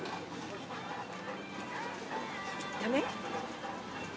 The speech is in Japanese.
駄目？